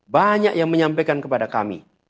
banyak yang menyampaikan kepada kami